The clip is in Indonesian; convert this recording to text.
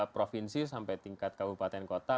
provinsi sampai tingkat kabupaten kota